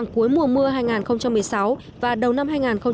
cuối mùa mưa hai nghìn một mươi sáu và đầu năm hai nghìn một mươi bảy